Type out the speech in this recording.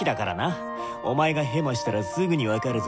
お前がヘマしたらすぐに分かるぞ。